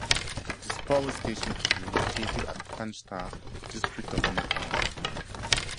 This power station is located at Panchthar district of Nepal.